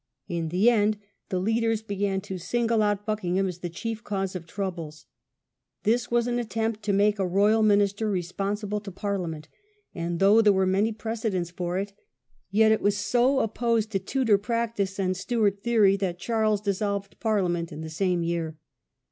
In the end the leaders began to single out Buckingham as the chief cause of troubles. This was an attempt to make a royal minister responsible to Parlia ment, and though there were many precedents for it, yet it was so opposed to Tudor practice and Stewart theory that Charles dissolved Parliament in the same year.